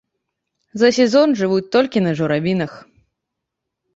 За сезон жывуць толькі на журавінах.